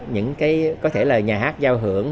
những cái có thể là nhà hát giao hưởng